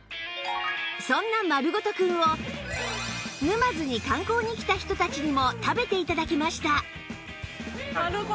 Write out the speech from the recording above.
そんなまるごとくんを沼津に観光に来た人たちにも食べて頂きました